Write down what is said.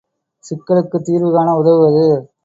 சிக்கலுக்குத் தீர்வு காண உதவுவது.